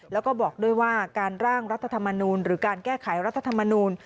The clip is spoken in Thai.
แล้วก็บอกด้วยว่าการร่างรัฐธรรมนูลหรือการแก้ไขรัฐธรรมนูล